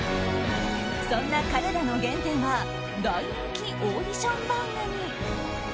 そんな彼らの原点は大人気オーディション番組。